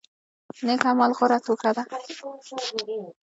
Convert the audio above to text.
نیک اعمال غوره توښه ده.